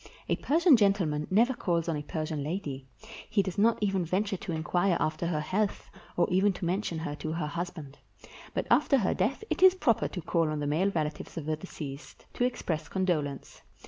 A Persian gentleman never calls on a Persian lady; he does not even venture to inquire after her health, or even to mention her to her husband. But after her death it is proper to call on the male relatives of the deceased, to express condolence.